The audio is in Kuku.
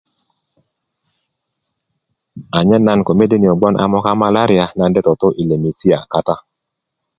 anyen nan ko mede niyo bgoŋ a moka malaria nan de toto i lemesia kata